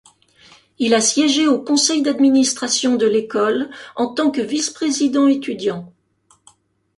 Il a siégé au conseil d'administration de l'école en tant que vice-président étudiant.